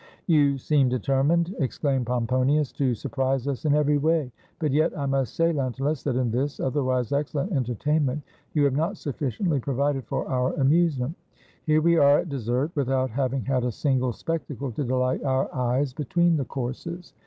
"You seem determined," exclaimed Pomponius, "to surprise us in every way ; but yet I must say, Lentulus, that in this, otherwise excellent, entertainment, you have not sufficiently provided for our amusement. Here we are at dessert, without having had a single spectacle to delight our eyes between the courses."